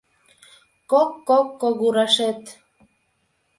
Кок-кок когурашет.